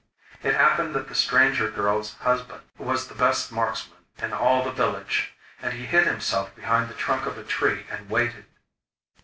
It happened that the stranger girl's husband was the best marksman in all the village, and he hid himself behind the trunk of a tree and waited.